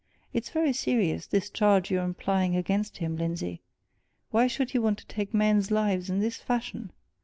It's very serious, this charge you're implying against him, Lindsey! Why should he want to take men's lives in this fashion!